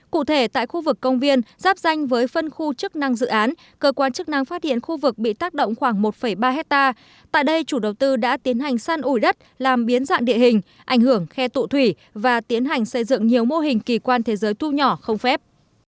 cụ thể tại khu vực công viên giáp danh với phân khu chức năng dự án cơ quan chức năng phát hiện khu vực bị tác động khoảng một ba hectare tại đây chủ đầu tư đã tiến hành săn ủi đất làm biến dạng địa hình ảnh hưởng khe tụ thủy và tiến hành xây dựng nhiều mô hình kỳ quan thế giới thu nhỏ không phép